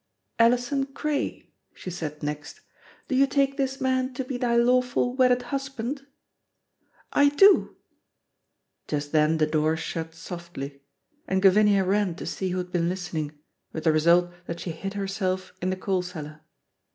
"Alison Cray," she said next, "do you take this man to be thy lawful wedded husband?" "I do." Just then the door shut softly; and Gavinia ran to see who had been listening, with the result that she hid herself in the coal cellar.